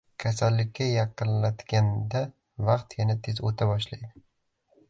Koksalikka yaqinlatganda vaqt yana tez o‘ta boshlaydi.